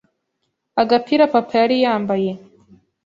Agapira papa yari yambaye